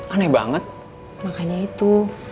aneh banget makanya itu